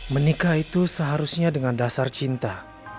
menikah itu seharusnya dengan dasar cinta